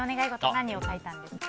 何を書いたんですか？